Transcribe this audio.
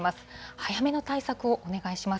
早めの対策をお願いします。